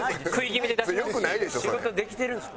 仕事できてるんですか？